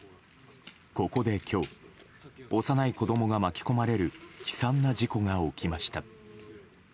ここで今日、幼い子供が巻き込まれる悲惨な事故が起きました。